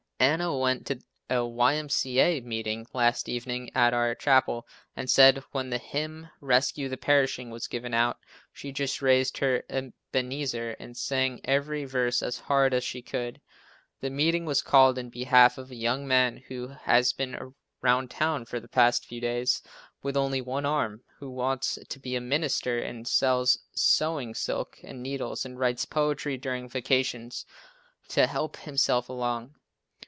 Anna went to a Y.M.C.A. meeting last evening at our chapel and said, when the hymn "Rescue the perishing," was given out, she just "raised her Ebenezer" and sang every verse as hard as she could. The meeting was called in behalf of a young man who has been around town for the past few days, with only one arm, who wants to be a minister and sells sewing silk and needles and writes poetry during vacation to help himself along.